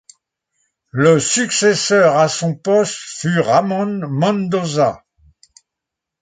Le successeur à son poste fut Ramón Mendoza.